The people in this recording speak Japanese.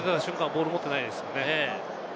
ボールを持っていないですよね。